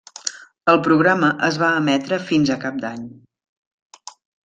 El programa es va emetre fins a cap d'any.